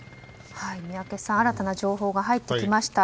宮家さん新たな情報が入ってきました。